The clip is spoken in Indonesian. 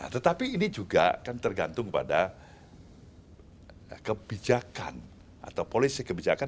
tetapi ini juga kan tergantung pada kebijakan atau polisi kebijakan